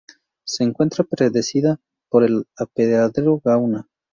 Se encuentra precedida por el Apeadero Gauna.